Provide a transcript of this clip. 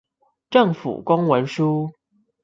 政府公文書